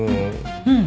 うん。